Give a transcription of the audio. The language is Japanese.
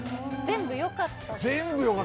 全部よかった。